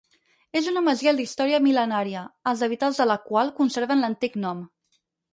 És una masia d'història mil·lenària, els habitants de la qual conserven l'antic nom.